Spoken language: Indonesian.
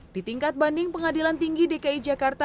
di tingkat banding pengadilan tinggi dki jakarta